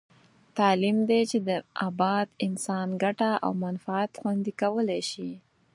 تعلیم دی چې د اباد انسان ګټه او منفعت خوندي کولای شي.